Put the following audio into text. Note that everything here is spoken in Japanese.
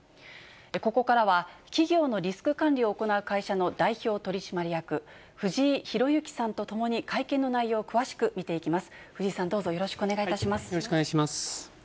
ここからは、企業のリスク管理を行う会社の代表取締役、藤井ひろゆきさんとともに会見の内容を詳しく見ていきます。